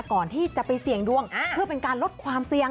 ก่อนที่จะไปเสี่ยงดวงเพื่อเป็นการลดความเสี่ยง